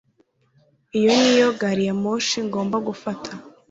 Iyo niyo gari ya moshi ngomba gufata